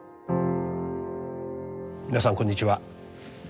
皆さんこんにちは。